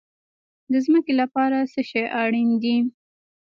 د ځمکې لپاره څه شی اړین دي؟